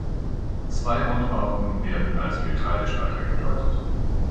Zwei Rundbauten werden als Getreidespeicher gedeutet.